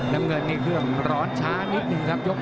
น้ำเงินนี่เครื่องร้อนช้านิดหนึ่งครับยก